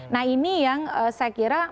nah ini yang saya kira